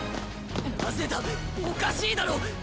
なぜだおかしいだろう！